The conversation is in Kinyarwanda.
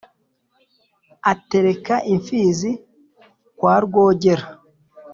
atereka imfizi kwa rwogera